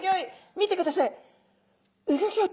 見てください。